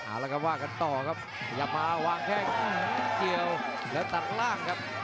หาแล้วกันต่อกันครับพยายามมาวางแค่เกี่ยวและตัดล่างครับ